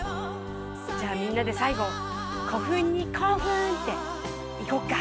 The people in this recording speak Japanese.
じゃあみんなでさい後「古墳にコーフン！」っていこっか。